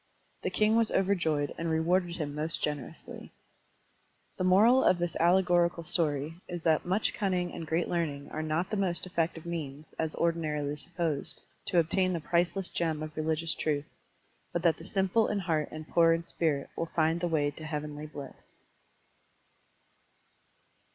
The king was overjoyed and rewarded him most gen erously The moral of this allegorical story is that much cimning and great learning are not the Digitized by Google 1 88 SERMONS OP A BUDDHIST ABBOT most effective means, as ordinarily supposed, to obtain the priceless gem of religious truth, but that the simple in heart and poor in spirit will find the way to heavenly bliss.